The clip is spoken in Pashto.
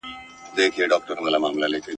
ارمان پوره سو د مُلا، مطرب له ښاره تللی !.